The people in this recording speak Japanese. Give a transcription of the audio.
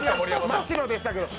真っ白でしたけど。